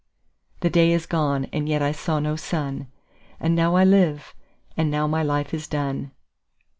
5The day is gone and yet I saw no sun,6And now I live, and now my life is done.